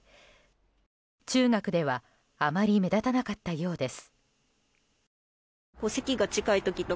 中学ではあまり目立たなかったようです。